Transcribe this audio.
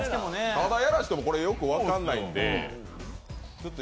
ただ、やらせてもよく分かんないんで。